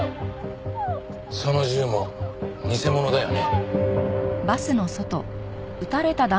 その銃も偽物だよね？